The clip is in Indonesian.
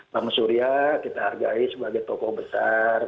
bang surya kita hargai sebagai tokoh besar